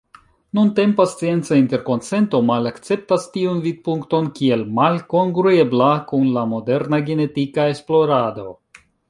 Nuntempa scienca interkonsento malakceptas tiun vidpunkton kiel malkongruebla kun la moderna genetika esplorado.